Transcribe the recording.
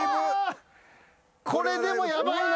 これでもヤバいな。